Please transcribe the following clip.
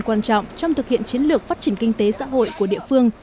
quan trọng trong thực hiện chiến lược phát triển kinh tế xã hội của địa phương